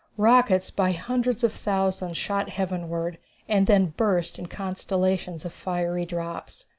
Rockets by hundreds of thousands shot heaven ward, and then burst in constellations of fiery drops.